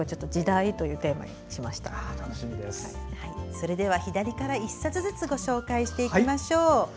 それでは左から１冊ずつご紹介していきましょう。